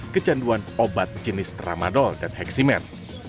kecanduan obat jenis tramadol dan heksimen